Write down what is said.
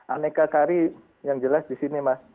aneka kari yang jelas di sini mas